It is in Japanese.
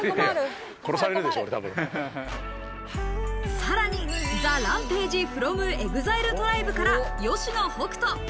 さらにＴＨＥＲＡＭＰＡＧＥｆｒｏｍＥＸＩＬＥＴＲＩＢＥから吉野北人。